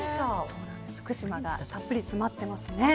福島がたっぷり詰まってますね。